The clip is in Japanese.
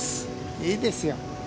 いいですよ。